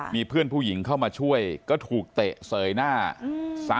มีเพื่อนผู้หญิงเข้ามาช่วยก็ถูกเตะเสยหน้า